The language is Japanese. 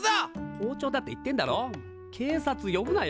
校長だって言ってんだろ警察呼ぶなよ！